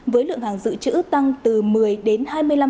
với lượng hàng dự trữ tăng từ một mươi đến hai mươi năm